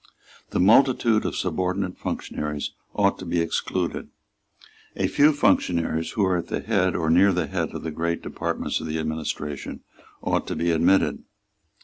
The multitude of subordinate functionaries ought to be excluded. A few functionaries who are at the head or near the head of the great departments of the administration ought to be admitted.